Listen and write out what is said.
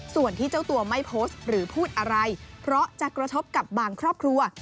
ส่วนที่เจ้าตัวไม่โพสต์หรือพูดอะไรเพราะจะกระทบกับบางครอบครัว